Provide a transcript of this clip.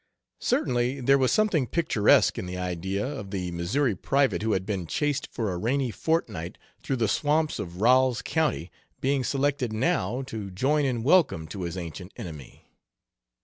Certainly there was something picturesque in the idea of the Missouri private who had been chased for a rainy fortnight through the swamps of Ralls County being selected now to join in welcome to his ancient enemy.